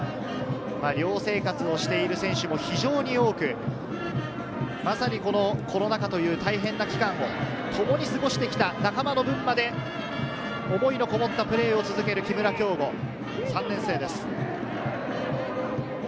寮生活をしている選手も非常に多く、まさにコロナ禍という大変な期間をともに過ごしてきた仲間の分まで、思いのこもったプレーを続ける木村匡吾、３年生です。